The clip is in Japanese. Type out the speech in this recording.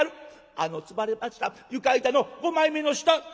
「あの積まれました床板の５枚目の下」。